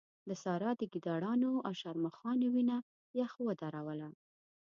د سارا د ګيدړانو او شرموښانو وينه يخ ودروله.